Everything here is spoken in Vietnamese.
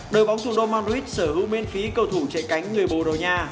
đội bóng thủ đô madrid sở hữu miên phí cầu thủ chạy cánh người borogna